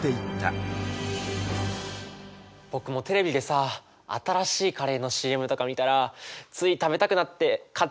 僕もテレビでさ新しいカレーのＣＭとか見たらつい食べたくなって買っちゃうんだよね。